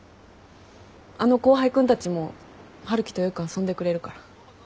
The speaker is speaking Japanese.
あの後輩君たちも春樹とよく遊んでくれるから。